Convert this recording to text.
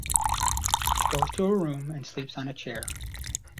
She goes to her room and sleeps on a chair.